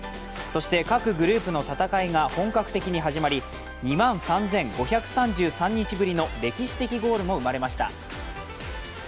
そして、各グループの戦いが本格的に始まり、２万３５３３日ぶりの歴史的ゴールも生まれました。